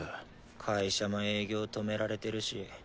会社も営業止められてるし。